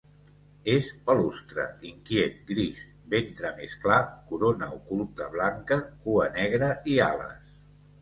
És palustre, inquiet, gris, ventre més clar, corona oculta blanca, cua negra i ales.